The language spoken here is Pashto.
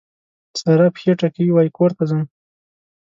سارا پښې ټکوي؛ وای کور ته ځم.